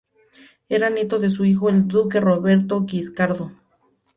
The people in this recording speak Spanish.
Era nieto de su hijo, el duque Roberto Guiscardo.